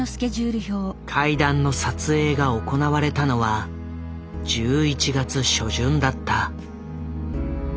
階段の撮影が行われたのは１１月初旬だった。